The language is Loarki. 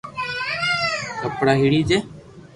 ڪپڙا ھيڙي جي